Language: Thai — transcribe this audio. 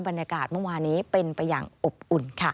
บรรยากาศเมื่อวานี้เป็นไปอย่างอบอุ่นค่ะ